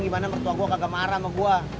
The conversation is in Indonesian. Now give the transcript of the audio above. gimana mertua gue kagak marah sama gue